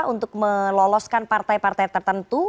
untuk meloloskan partai partai tertentu